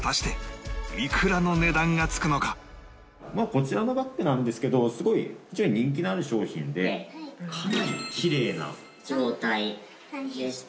こちらのバッグなんですけどすごい人気のある商品でかなりキレイな状態でして。